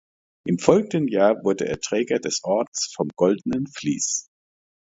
Im folgenden Jahre wurde er Träger des Ordens vom Goldenen Vlies.